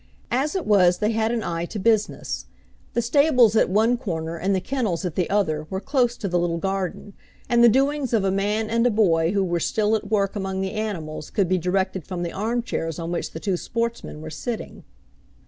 As it was they had an eye to business. The stables at one corner and the kennels at the other were close to the little garden, and the doings of a man and a boy who were still at work among the animals could be directed from the armchairs on which the two sportsmen were sitting.